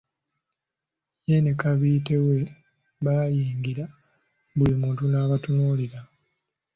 Ye ne Kabiite we bayingira buli muntu n'abatunuulira!